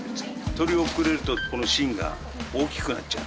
採り遅れるとこの芯が大きくなっちゃう。